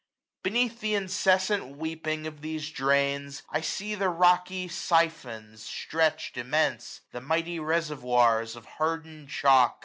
Beneath th' incessant weeping of these drains, I see the rocky siphons stretch'd immense } The mighty reservoirs, of hardened chalk.